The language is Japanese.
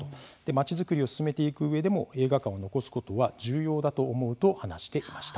まちづくりを進めていくうえでも映画館を残すことは重要だと思うと話していました。